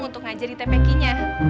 untuk ngajar di tpknya